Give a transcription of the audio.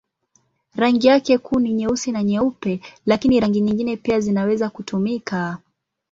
Rangi yake kuu ni nyeusi na nyeupe, lakini rangi nyingine pia zinaweza kutumika.